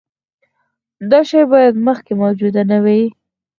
دا شی باید مخکې موجود نه وي.